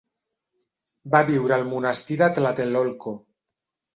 Va viure al monestir de Tlatelolco.